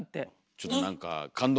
ちょっと何かはい。